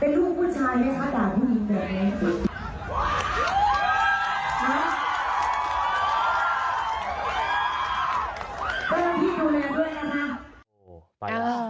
เป็นลูกผู้ชายนะคะเดี๋ยวพอสุดไว้